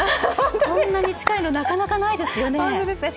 こんなに近いの、なかなかないですよね。